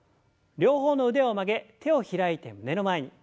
両方の腕を曲げ手を開いて胸の前に。